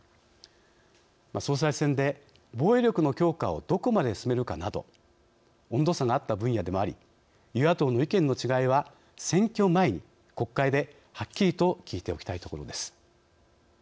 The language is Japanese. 総裁選で、防衛力の強化をどこまで進めるかなど温度差があった分野でもあり与野党の意見の違いは選挙前に国会ではっきりと聞いておきたいところです。